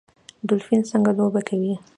ډولفین څنګه لوبه کوي؟